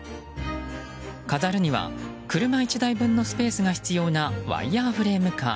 飾るには車１台分のスペースが必要なワイヤーフレームカー。